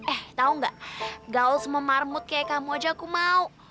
eh tahu nggak gaul sama marmut kayak kamu aja aku mau